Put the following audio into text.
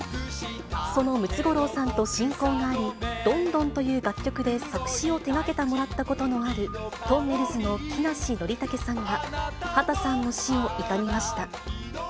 そのムツゴロウさんと親交があり、ドンドンという楽曲で作詞を手がけてもらったことのあるとんねるずの木梨憲武さんが、畑さんの死を悼みました。